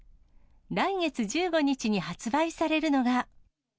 来月１５日に発売されるのが。